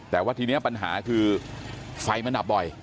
แต่ว่าทีนี้ปัญหาคือไฟมันดับบ่อย